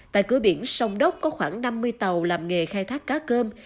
tại cửa biển sông đốc có khoảng năm mươi tàu làm nghề khai thác cá cơm